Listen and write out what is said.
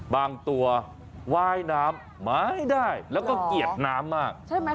บางตัวว่ายน้ำไม่ได้แล้วก็เกลียดน้ำมากใช่ไหม